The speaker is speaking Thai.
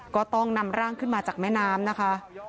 ก็ต้องนำร่างขึ้นมาจากแม่น้ำนะคะ